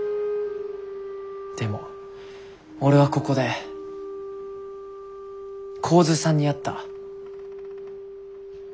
でも俺はここで神頭さんに会った。